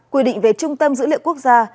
quy định về trung tâm dữ liệu quốc gia